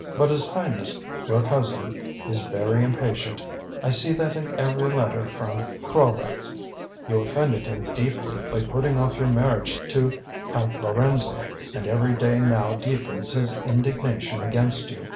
But his Highness, your cousin, is very impatient; I see that in every letter from Krolvetz. You offended him deeply by putting off your marriage to Count Lorenzo, and every day now deepens his indignation against you.